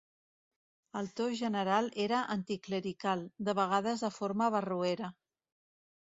El to general era anticlerical, de vegades de forma barroera.